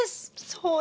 そうだ。